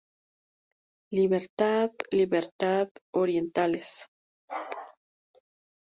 ¡Libertad, libertad, orientales!